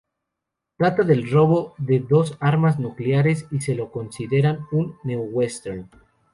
Trata del robo de dos armas nucleares y se lo considera un neo-western.